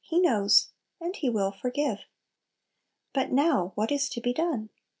He knows. And He will forgive. But now, what is to be done?